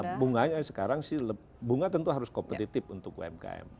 karena bunganya sekarang sih bunga tentu harus kompetitif untuk umkm